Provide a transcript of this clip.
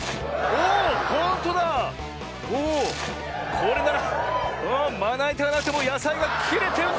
これならまないたがなくてもやさいがきれてるぜ！